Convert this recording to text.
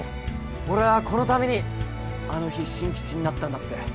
俺ぁこのためにあの日進吉になったんだって。